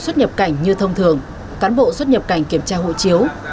xuất nhập cảnh như thông thường cán bộ xuất nhập cảnh kiểm tra hộ chiếu